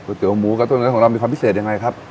ก๋วยเตี๋ยวหมูกับก๋วยเตี๋ยวเนื้อของเรามีความพิเศษยังไงครับ